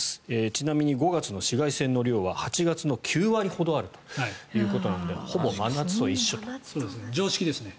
ちなみに５月の紫外線の量は８月の９割ほどあるということなので常識ですね。